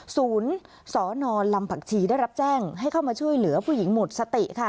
ศูนย์สนลำผักชีได้รับแจ้งให้เข้ามาช่วยเหลือผู้หญิงหมดสติค่ะ